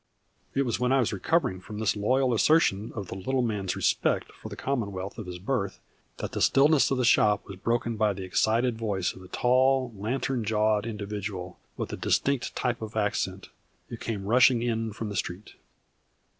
_" It was when I was recovering from this loyal assertion of the little man's respect for the Commonwealth of his birth that the stillness of the shop was broken by the excited voice of a tall, lantern jawed individual with a distinct type of accent, who came rushing in from the street.